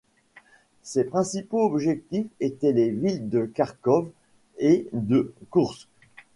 Ses principaux objectifs étaient les villes de Kharkov et de Koursk.